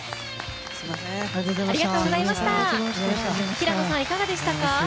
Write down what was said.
平野さん、いかがでしたか？